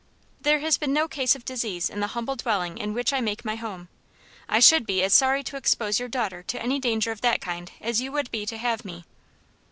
"There has been no case of disease in the humble dwelling in which I make my home. I should be as sorry to expose your daughter to any danger of that kind as you would be to have me."